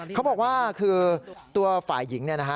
เขาบอกว่าคือตัวฝ่ายหญิง